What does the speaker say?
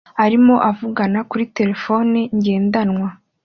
arimo avugana kuri terefone ngendanwa